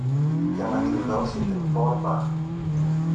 και να κλειδώσει την πόρτα.